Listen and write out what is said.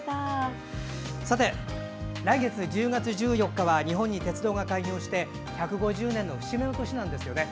さて来月１０月１４日は日本に鉄道が開業して１５０年の節目の年なんですね。